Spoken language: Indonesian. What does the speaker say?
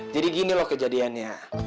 jadi gini loh kejadiannya